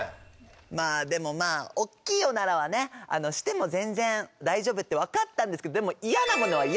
まあでもまあおっきいオナラはねしても全然大丈夫って分かったんですけどでも出た。